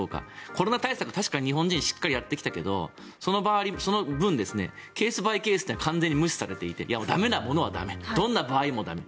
コロナ対策、日本人はしっかりやってきたけどその分ケース・バイ・ケースというのは完全に無視されていて駄目なものは駄目どんなものも駄目